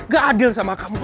gak adil sama kamu